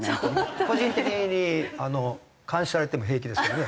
僕は個人的に監視されても平気ですけどね。